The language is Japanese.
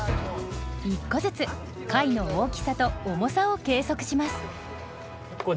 １個ずつ貝の大きさと重さを計測します。